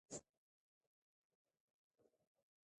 څوک وایي چې ملالۍ نورزۍ وه؟